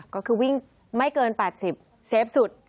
ก็คือวิ่งไม่เกิน๘๐เซฟสุด